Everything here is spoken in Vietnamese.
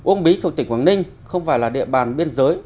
uông bí thuộc tỉnh quảng ninh không phải là địa bàn biên giới